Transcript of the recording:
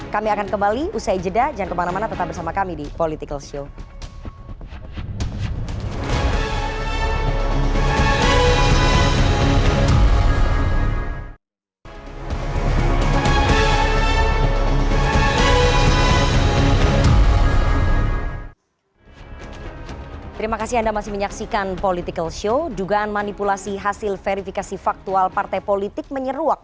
kami akan kembali usai jeda jangan kemana mana tetap bersama kami di politikalshow